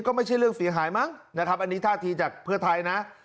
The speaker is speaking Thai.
ก็ไม่ใช่เรื่องเสียหายมั้งนะครับอันนี้ท่าทีจากเพื่อไทยนะ